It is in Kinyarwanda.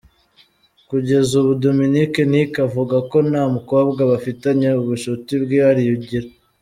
Kugeza ubu Dominic Nic avuga ko nta mukobwa bafitanye ubucuti bwihariye agira.